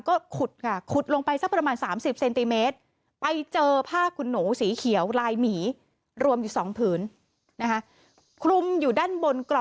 ก็ขุดลงไปประมาณ๓๐ซน